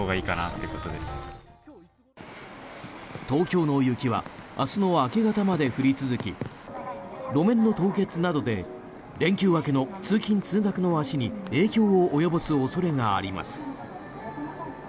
東京の雪は明日の明け方まで降り続き路面の凍結などで連休明けの通勤・通学の足に影響を及ぼす恐れがあります。